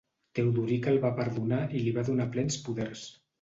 Teodoric el va perdonar i li va donar plens poders.